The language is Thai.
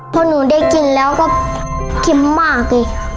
พอหนูได้กินแล้วก็เค็มมากอีก